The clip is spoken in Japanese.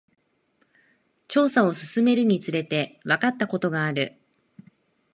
調査を進めるにつれて、わかったことがある。